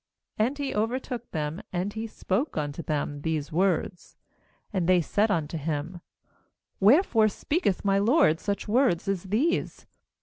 6And he overtook them, and he spoke unto them these words. 7And they said unto him: 'Wherefore speaketh my lord such words as these?